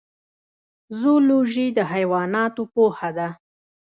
زولوژی د حیواناتو پوهنه ده